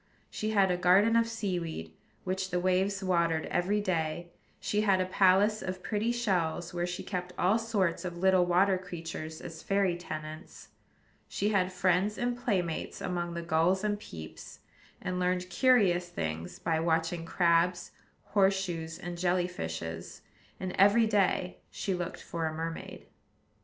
She had a garden of sea weed, which the waves watered every day: she had a palace of pretty shells, where she kept all sorts of little water creatures as fairy tenants; she had friends and playmates among the gulls and peeps, and learned curious things by watching crabs, horse shoes, and jelly fishes; and every day she looked for a mermaid.